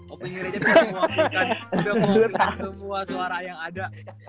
udah ngeluangin semua suara yang ada